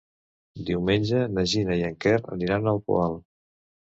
Diumenge na Gina i en Quer aniran al Poal.